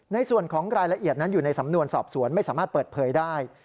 ในส่วนของรายละเอียดนั้นอยู่ในสำนวนสอบสวนไม่สามารถเปิดเผยได้